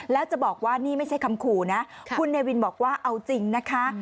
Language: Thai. แล้วจะบอกว่านี่ไม่ใช่คำขู่นะคุณเนวินบอกว่าเอาจริงนะคะ